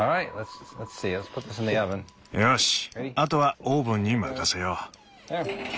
よしあとはオーブンに任せよう。